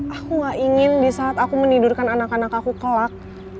aku gak ingin disaat aku menidurkan anak anakku kelak